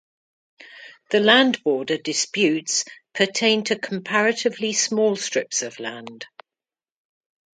The land border disputes pertain to comparatively small strips of land.